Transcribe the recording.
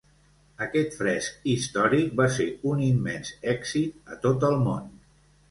Aquest fresc històric va ser un immens èxit a tot el món.